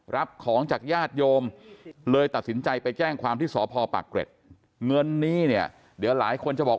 รับของจากญาติโยมเลยตัดสินใจไปแจ้งความที่สพปากเกร็ดเงินนี้เนี่ยเดี๋ยวหลายคนจะบอก